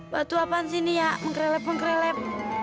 batu apaan sih ini ya mengkrelep mengkrelep